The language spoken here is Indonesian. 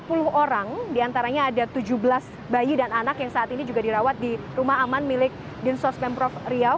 kemudian dua puluh orang diantaranya ada tujuh belas bayi dan anak yang saat ini juga dirawat di rumah aman milik din sos pemprov trio